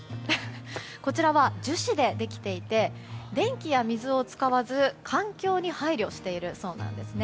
こちらは、樹脂でできていて電気や水を使わず環境に配慮しているそうなんです。